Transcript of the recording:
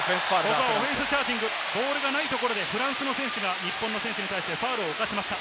オフェンスチャージング、ボールがないところでフランスの選手が日本の選手に対してファウルを犯しました。